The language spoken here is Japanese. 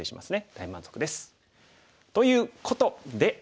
大満足です。ということで。